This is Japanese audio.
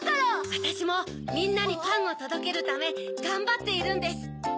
わたしもみんなにパンをとどけるためがんばっているんです。